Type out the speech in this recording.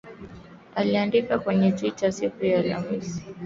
aliandika kwenye Twitter siku ya Alhamis